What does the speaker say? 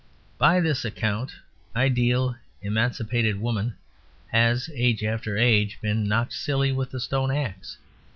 By this account ideal, emancipated woman has, age after age, been knocked silly with a stone axe.